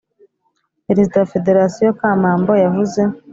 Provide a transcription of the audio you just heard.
Perezida wa federasiyo Kamambo, yavuze